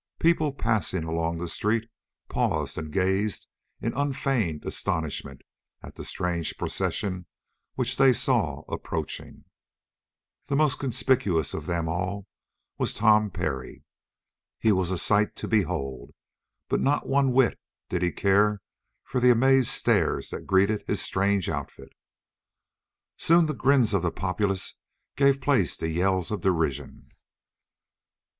People passing along the street paused and gazed in unfeigned astonishment at the strange procession which they saw approaching. The most conspicuous of them all was Tom Parry. He was a sight to behold, but not one whit did he care for the amazed stares that greeted his strange outfit. Soon the grins of the populace gave place to yells of derision.